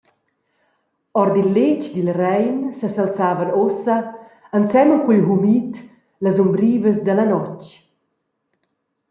Ord il letg dil Rein sesalzavan ussa –ensemen cul humid –las umbrivas dalla notg.